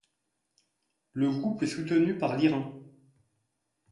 Le groupe est soutenu par l'Iran.